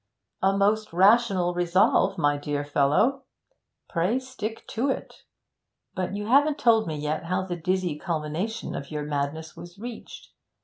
'A most rational resolve, my dear fellow. Pray stick to it. But you haven't told me yet how the dizzy culmination of your madness was reached.